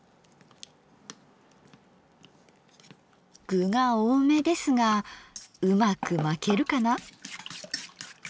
具が多めですがうまく巻けるかな？